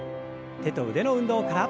手と腕の運動から。